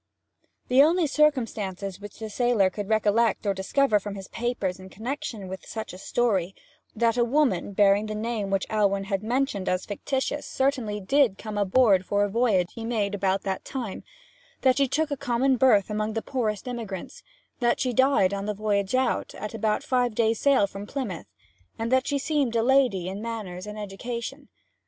The only circumstances which the sailor could recollect or discover from his papers in connection with such a story were, that a woman bearing the name which Alwyn had mentioned as fictitious certainly did come aboard for a voyage he made about that time; that she took a common berth among the poorest emigrants; that she died on the voyage out, at about five days' sail from Plymouth; that she seemed a lady in manners and education.